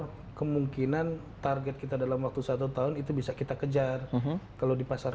karena kemungkinan target kita dalam waktu satu tahun itu bisa kita kejar kalau di pasar